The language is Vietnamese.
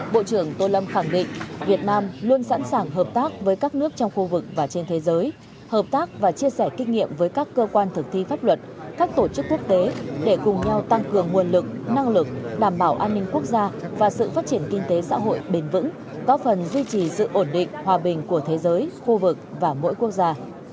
bộ trưởng tô lâm khẳng định việt nam luôn sẵn sàng hợp tác với các nước trong khu vực và trên thế giới hợp tác và chia sẻ kinh nghiệm với các cơ quan thực thi pháp luật các tổ chức quốc tế để cùng nhau tăng cường nguồn lực năng lực đảm bảo an ninh quốc gia và sự phát triển kinh tế xã hội bền vững có phần duy trì sự ổn định hòa bình của thế giới khu vực và mỗi quốc gia